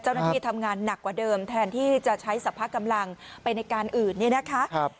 เจ้าหน้าที่ทำงานหนักกว่าเดิมแทนที่จะใช้สรรพกำลังไปในการอื่นเนี่ยนะคะ